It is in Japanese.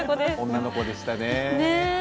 女の子でしたね。